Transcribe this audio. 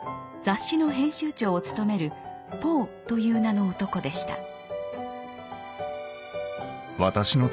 雑誌の編集長を務めるポーという名の男でした。